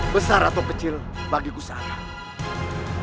besar atau kecil bagiku seangat